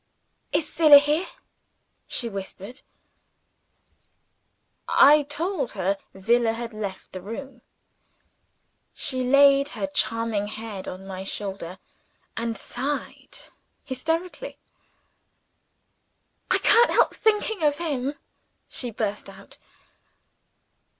"Is Zillah here?" she whispered. I told her Zillah had left the room. She laid her charming head on my shoulder, and sighed hysterically. "I can't help thinking of him," she burst out.